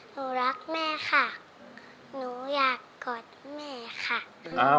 หนูรักแม่ค่ะหนูอยากกอดแม่ค่ะ